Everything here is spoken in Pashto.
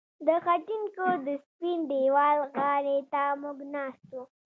د خټین کور د سپین دېوال غاړې ته موږ ناست وو